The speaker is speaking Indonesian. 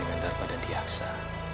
dengan daripada diasa